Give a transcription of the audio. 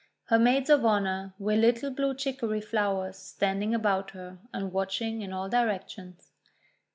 Her maids of honour were little Blue Chicory flowers standing about her, and watching in all directions.